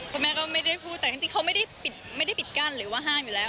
คุณแม่ก็ไม่ได้พูดแต่จริงเขาไม่ได้ปิดกั้นหรือว่าห้ามอยู่แล้ว